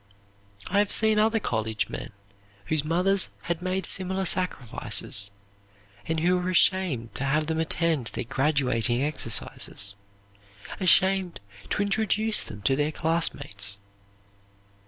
I have seen other college men whose mothers had made similar sacrifices, and who were ashamed to have them attend their graduating exercises, ashamed to introduce them to their classmates.